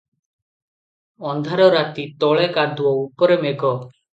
ଅନ୍ଧାର ରାତି- ତଳେ କାଦୁଅ- ଉପରେ ମେଘ ।